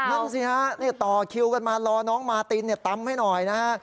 นั่นสิฮะต่อคิวกันมารอน้องมาตินตำให้หน่อยนะฮะ